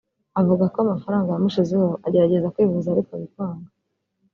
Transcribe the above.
Avuga ko amafaranga yamushizeho agerageza kwivuza ariko bikanga